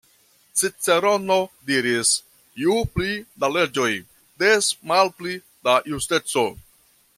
Cicerono diris "ju pli da leĝoj, des malpli da justeco".